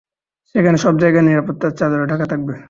সেখানে সবজায়গা নিরাপত্তার চাদরে ঢাকা থাকবে।